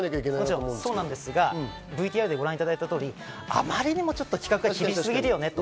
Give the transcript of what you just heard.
もちろんそうなんですがＶＴＲでご覧いただいた通り、あまりにも規格が厳しすぎるよねと。